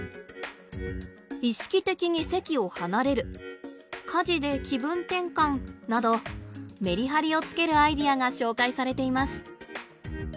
「意識的に席を離れる」「家事で気分転換」などメリハリをつけるアイデアが紹介されています。